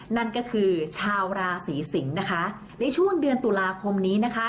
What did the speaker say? นั่นก็คือชาวราศีสิงศ์นะคะในช่วงเดือนตุลาคมนี้นะคะ